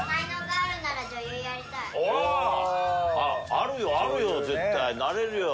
あるよあるよ絶対なれるよ。